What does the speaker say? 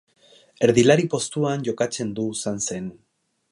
Erdilari postuan jokatzen du Sansen.